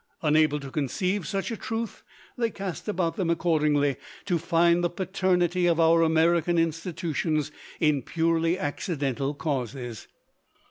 Unable to conceive such a truth, they cast about them accordingly to find the paternity of our American institutions in purely accidental causes.